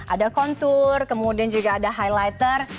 ada kontur kemudian juga ada highlighter